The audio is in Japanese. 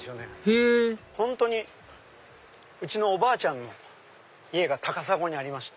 へぇ本当にうちのおばあちゃんの家が高砂にありました。